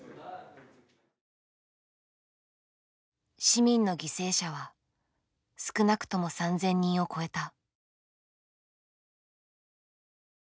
市民の犠牲者は少なくとも３，０００人を超えた。